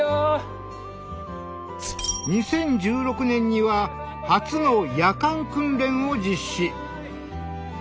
２０１６年には初の夜間訓練を実施。